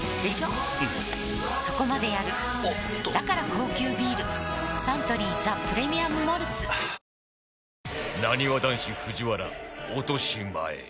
うんそこまでやるおっとだから高級ビールサントリー「ザ・プレミアム・モルツ」はぁーなにわ男子藤原落とし前